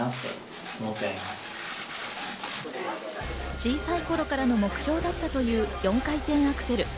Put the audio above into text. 小さい頃からの目標だったという４回転アクセル。